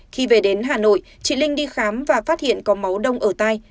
khi về đến hà nội chị linh đi khám và phát hiện có máu đông ở tay